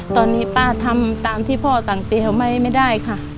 ตอนนี้ป้าทำตามที่พ่อสั่งเตรียมไว้ไม่ได้ค่ะ